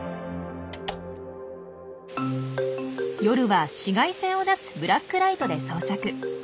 夜は紫外線を出すブラックライトで捜索。